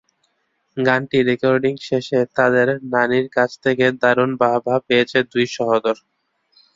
গানটি রেকর্ডিং শেষে তাদের নানির কাছ থেকে দারুণ বাহবা পেয়েছে দুই সহোদর।